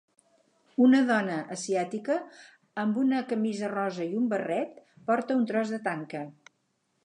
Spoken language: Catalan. Una dona asiàtica amb una camisa rosa i un barret porta un tros de tanca.